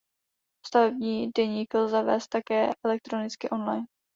Stavební deník lze vést také elektronicky online.